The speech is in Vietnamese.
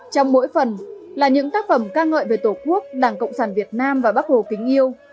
trong mỗi phần là những tác phẩm ca ngợi về tổ quốc đảng cộng sản việt nam và bắc hồ kính yêu